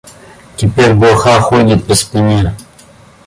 Теперь блоха ходит по спине.